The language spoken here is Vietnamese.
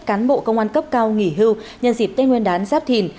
cán bộ công an cấp cao nghỉ hưu nhân dịp tết nguyên đán giáp thìn